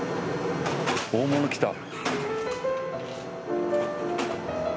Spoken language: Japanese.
大物来た。